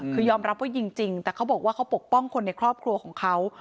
คือยอมรับว่ายิงจริงแต่เขาบอกว่าเขาปกป้องคนในครอบครัวของเขา